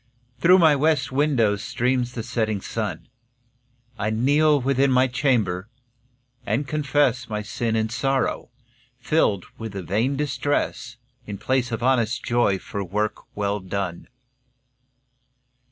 Through my west window streams the setting sun. I kneel within my chamber, and confess My sin and sorrow, filled with vain distress, In place of honest joy for work well done.